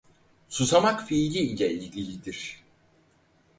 Susamak fiili ile ilgilidir.